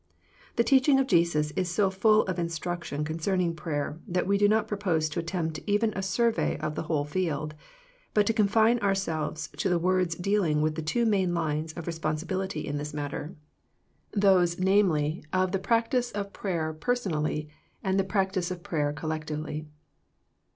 The teaching of Jesus is so full of instruc tion concerning prayer that we do not propose to attempt even a survey of the whole field, but to confine ourselves to the words dealing with the two main lines of responsibility in this matter, 105 106 THE PEAOTICE OF PEAYER those namely, of the practice of prayer person ally, and the practice of prayer collectively.